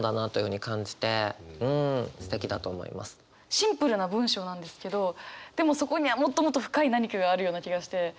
シンプルな文章なんですけどでもそこにはもっともっと深い何かがあるような気がして。